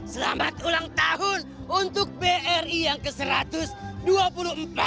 selamat ulang tahun untuk bri yang keserahannya